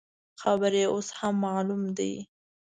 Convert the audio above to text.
قبر یې اوس هم معلوم دی.